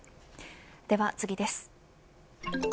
では次です。